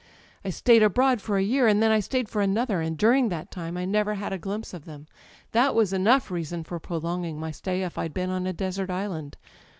. "I stayed abroad for a year, and then I stayed for another; and during that time I never had a glimpse of them. That was enough reason for prolonging my stay if I'd been on a desert island.